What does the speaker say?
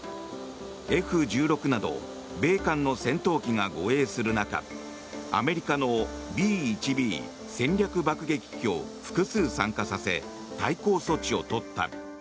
Ｆ１６など米韓の戦闘機が護衛する中アメリカのＢ１Ｂ戦略爆撃機を複数参加させ対抗措置を取った。